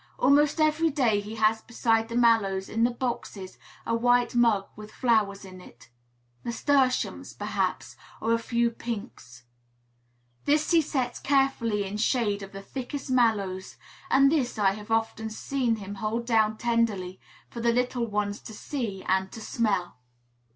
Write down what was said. Almost every day he has beside the mallows in the boxes a white mug with flowers in it, nasturtiums, perhaps, or a few pinks. This he sets carefully in shade of the thickest mallows; and this I have often seen him hold down tenderly, for the little ones to see and to smell.